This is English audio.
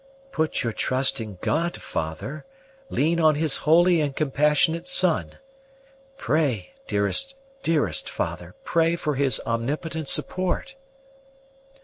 "Put your trust in God, father; lean on His holy and compassionate Son. Pray, dearest, dearest father; pray for His omnipotent support."